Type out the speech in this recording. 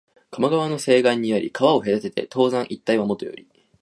加茂川の西岸にあり、川を隔てて東山一帯はもとより、